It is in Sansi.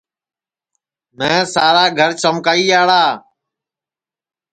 میں سارا گھرا چمکائیاڑا